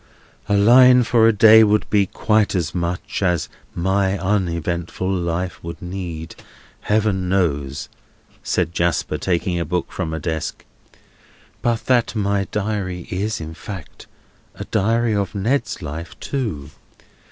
"A line for a day would be quite as much as my uneventful life would need, Heaven knows," said Jasper, taking a book from a desk, "but that my Diary is, in fact, a Diary of Ned's life too.